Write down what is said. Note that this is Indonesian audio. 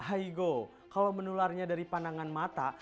go kalau menularnya dari pandangan mata